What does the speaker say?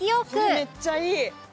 「これめっちゃいい！」